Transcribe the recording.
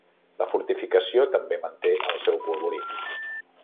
La fortificació també manté el seu polvorí.